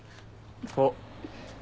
あっ。